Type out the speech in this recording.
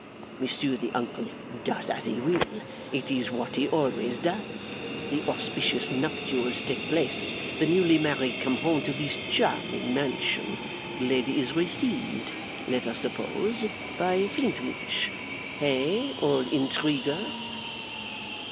Monsieur, the uncle, does as he will. It is what he always does. The auspicious nuptials take place; the newly married come home to this charming mansion; the lady is received, let us suppose, by Flintwinch. Hey, old intriguer?